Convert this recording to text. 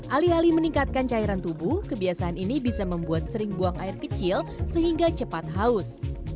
alih alih meningkatkan cairan tubuh kebiasaan ini bisa membuat sering buang air kecil sehingga cepat haus